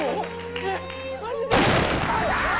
えっ？